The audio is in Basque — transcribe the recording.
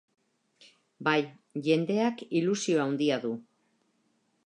Bai, jendeak ilusio handia du.